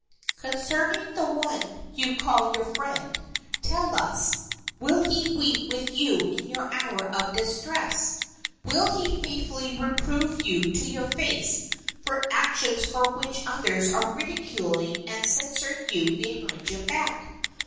Concerning the one you call your friend, tell us, will he weep with you in your hours of distress? Will he faithfully reprove you to your face for actions for which others are ridiculing and censuring you behind your back?